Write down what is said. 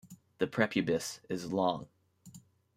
The prepubis is long.